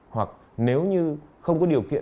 hoặc nếu như không có điều kiện